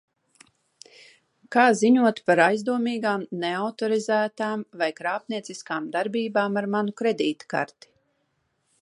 Kā ziņot par aizdomīgām, neautorizētām vai krāpnieciskām darbībām ar manu kredītkarti?